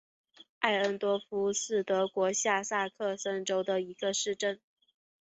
艾恩多夫是德国下萨克森州的一个市镇。